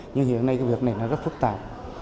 nhưng hiện nay cái việc này nó rất phức tạp